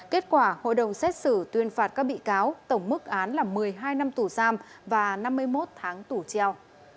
kết quả hội đồng xét xử tuyên phạt các bị cáo tổng mức án là một mươi hai năm tù giam và năm mươi một tháng tù treo